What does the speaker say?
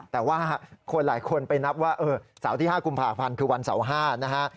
แต่ว่าคนหลายคนไปนับว่าเสาร์ที่๕กุมภาพันธ์คือวันเสาร์๕นะฮะ